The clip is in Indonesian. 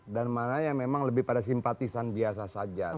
dan mana yang memang lebih pada simpatisan biasa saja